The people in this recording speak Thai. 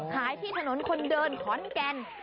ที่ถนนคนเดินขอนแก่น